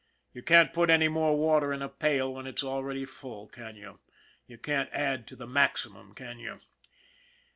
You can't put any more water in a pail when it's already full, can you? You can't add to the maximum, can you